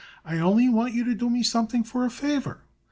"I only want you to do me something for a favor.